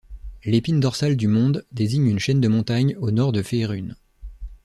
L'Épine dorsale du monde désigne une chaîne de montagnes au nord de Féérune.